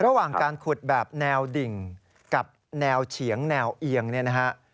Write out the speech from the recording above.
ระหว่างการขุดแบบแนวดิ่งกับแนวเฉียงแนวเอียงเนี่ยนะฮะ